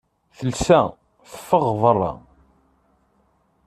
Telsa, teffeɣ ɣer berra.